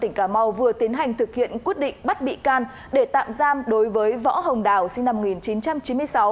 tỉnh cà mau vừa tiến hành thực hiện quyết định bắt bị can để tạm giam đối với võ hồng đào sinh năm một nghìn chín trăm chín mươi sáu